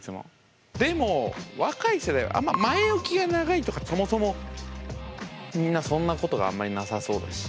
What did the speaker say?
でも若い世代あんま前置きが長いとかってそもそもみんなそんなことがあんまりなさそうだし。